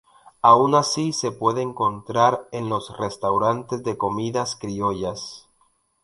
Aun así se puede encontrar en los restaurantes de comidas criollas.